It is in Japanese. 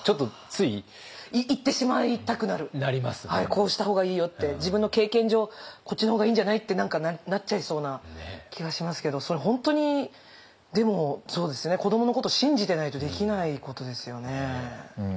「こうした方がいいよ」って「自分の経験上こっちの方がいいんじゃない？」って何かなっちゃいそうな気がしますけどそれ本当にでもそうですよね子どものこと信じてないとできないことですよね。